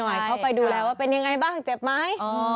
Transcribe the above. เข้าไปดูแลว่าเป็นยังไงบ้างเจ็บไหม